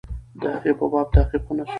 د هغې په باب تحقیق ونسو.